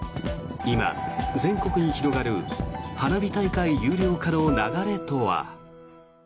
今、全国に広がる花火大会有料化の流れとは。